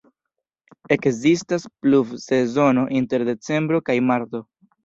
Ekzistas pluvsezono inter decembro kaj marto.